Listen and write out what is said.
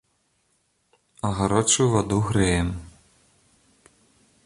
А гарачую ваду грэем.